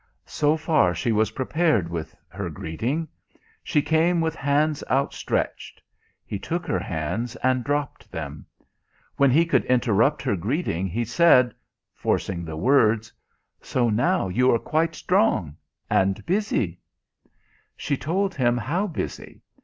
So far she was prepared with her greeting. She came with hands out stretched he took her hands and dropped them. When he could interrupt her greeting he said forcing the words "So now you are quite strong and busy?" She told him how busy.